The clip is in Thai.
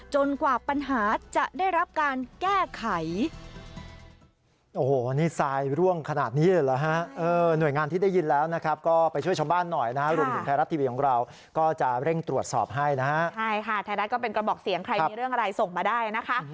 กว่าปัญหาจะได้รับการแก้ไข